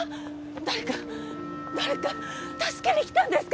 誰か誰か助けに来たんですか？